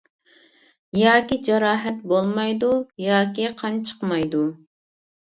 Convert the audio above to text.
ياكى جاراھەت بولمايدۇ ياكى قان چىقمايدۇ.